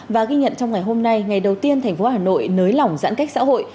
và ghi nhận trong ngày hôm nay ngày đầu tiên thành phố hà nội nới lỏng giãn cách xã hội